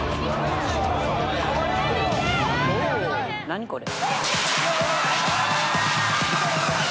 何これ？